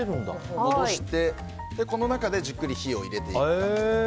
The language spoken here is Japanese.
戻して、この中でじっくり火を入れていく感じです。